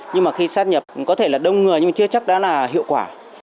nhưng mà khi sát nhập có thể là đông người nhưng chưa chắc đã là hiệu quả